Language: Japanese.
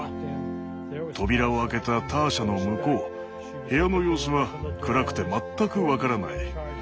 扉を開けたターシャの向こう部屋の様子は暗くて全く分からない。